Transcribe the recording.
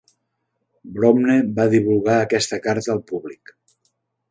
Browne va divulgar aquesta carta al públic.